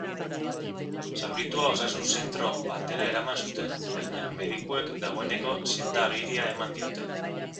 Zauritua osasun zentro batera eraman zuten, baina medikuek dagoeneko senda-agiria eman diote.